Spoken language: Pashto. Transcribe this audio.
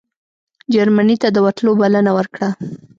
جرمني ته د ورتلو بلنه ورکړه.